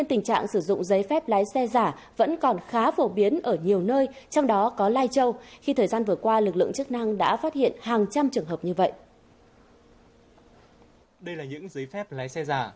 xin chào và hẹn gặp lại